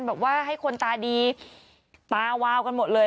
บอกว่าให้คนตาดีตาวาวกันหมดเลย